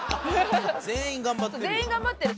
全員頑張ってる。